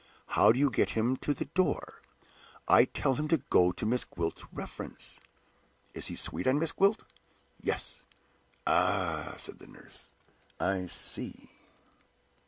"How do you get him to the door?" "I tell him to go to Miss Gwilt's reference." "Is he sweet on Miss Gwilt?" "Yes." "Ah!" said the nurse. "I see!"